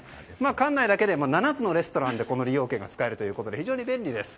館内だけでも７つのレストランでこの利用券が使えるということで非常に便利です。